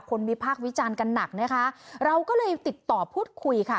วิพากษ์วิจารณ์กันหนักนะคะเราก็เลยติดต่อพูดคุยค่ะ